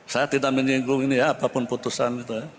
saya tidak menyinggung ini ya apapun putusan itu ya